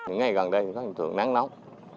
ngay gần đây có hình thường nắng nóng